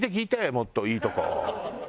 もっといいとこ。